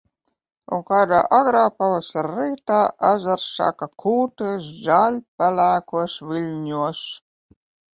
Un kādā agrā pavasara rītā, ezers sāka kulties zaļpelēkos viļņos.